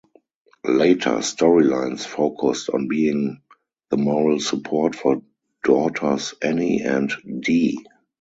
Later storylines focused on being the moral support for daughters Annie and Dee.